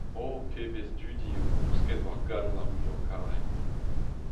O pebezh dudi eo kousket war galon ar muiañ-karet…